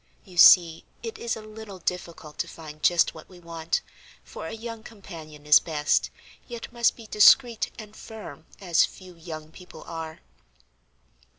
You see it is a little difficult to find just what we want, for a young companion is best, yet must be discreet and firm, as few young people are."